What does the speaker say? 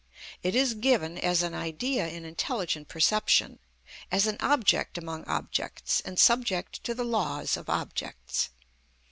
It is given as an idea in intelligent perception, as an object among objects and subject to the laws of objects.